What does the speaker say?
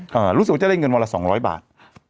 รู้สึกว่าจะได้เงินวันละสองร้อยบาท